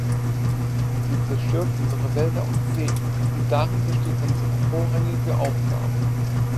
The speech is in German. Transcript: Sie zerstört unsere Wälder und Seen, und darin besteht unsere vorrangige Aufgabe.